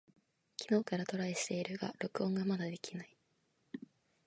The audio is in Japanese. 昨日からトライしているが録音がまだできない。